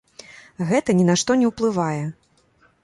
Гэта ні на што не ўплывае.